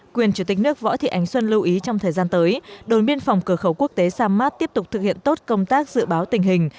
quyền chủ tịch nước võ thị ánh xuân lưu ý trong thời gian tới đồn biên phòng cửa khẩu quốc tế sa mát tiếp tục thực hiện tốt công tác dự báo tình hình